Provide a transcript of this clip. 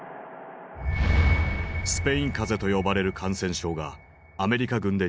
「スペイン風邪」と呼ばれる感染症がアメリカ軍で流行。